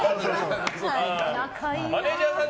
マネジャーさん